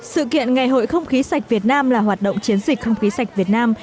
sự kiện ngày hội không khí sạch việt nam là hoạt động chiến dịch không khí sạch việt nam